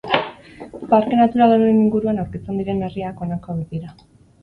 Parke natural honen inguruan aurkitzen diren herriak, honako hauek dira.